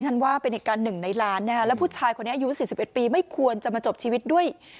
ว่าเป็นเหตุการณ์หนึ่งในล้านนะฮะแล้วผู้ชายคนนี้อายุ๔๑ปีไม่ควรจะมาจบชีวิตด้วย